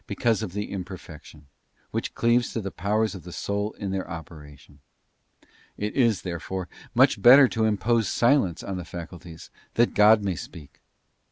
215 because of the imperfection, which cleaves to the powers of cuap. the soul in their operation. It is, therefore, much better to impose silence on the faculties, that God may speak.